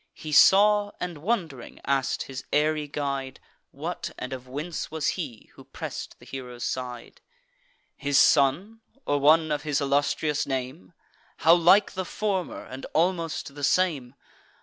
He saw, and, wond'ring, ask'd his airy guide, What and of whence was he, who press'd the hero's side: "His son, or one of his illustrious name? How like the former, and almost the same!